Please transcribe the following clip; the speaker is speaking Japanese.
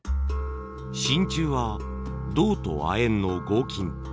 真鍮は銅と亜鉛の合金。